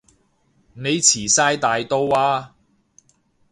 你遲哂大到啊